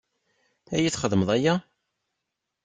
Ad iyi-txedmeḍ aya?